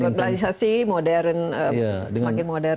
globalisasi semakin modern